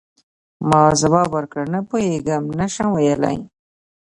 ما ځواب ورکړ: نه پوهیږم، نه شم ویلای.